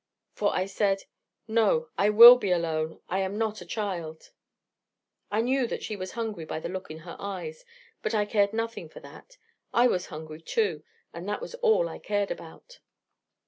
For I said, 'No, I will be alone, I am not a child.' I knew that she was hungry by the look in her eyes: but I cared nothing for that. I was hungry, too: and that was all I cared about.